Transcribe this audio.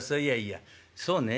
「そうね。